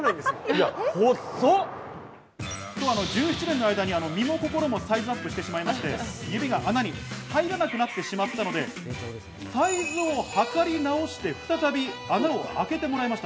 １７年の間に、身も心もサイズアップしてしまいまして、指が穴に入らなくなってしまったのでサイズを測り直して、再び、穴を開けてもらいました。